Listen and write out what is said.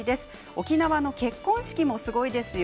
沖縄の結婚式もすごいですよ。